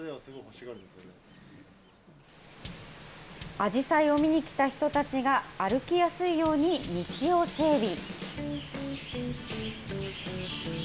あじさいを見に来た人たちが、歩きやすいように道を整備。